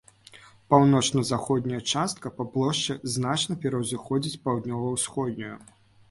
Паўночна-заходняя частка па плошчы значна пераўзыходзіць паўднёва-ўсходнюю.